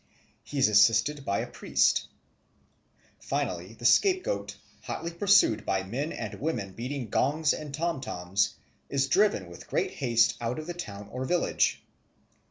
He is assisted by a priest. Finally the scapegoat, hotly pursued by men and women beating gongs and tom toms, is driven with great haste out of the town or village.